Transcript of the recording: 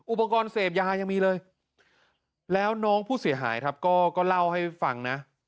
อุปกรณ์เสพยายังมีเลยแล้วน้องผู้เสียหายครับก็เล่าให้ฟังนะ